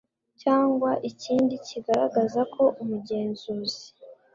cyangwa ikindi kigaragaza ko umugenzuzi